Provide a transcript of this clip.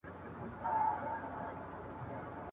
ما خو جهاني ستا په غزل کي اورېدلي وه ..